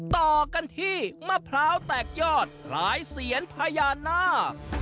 ต่อกันที่มะพร้าวแตกยอดคล้ายเสียนพญานาค